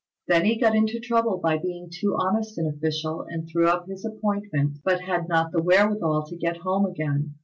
Then he got into trouble by being too honest an official, and threw up his appointment; but had not the wherewithal to get home again.